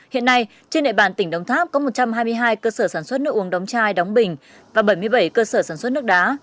hiện nay trên địa bàn tỉnh đồng tháp có một trăm hai mươi hai cơ sở sản xuất nước uống đóng chai đóng bình và bảy mươi bảy cơ sở sản xuất nước đá